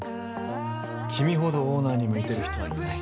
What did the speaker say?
君ほどオーナーに向いている人はいない。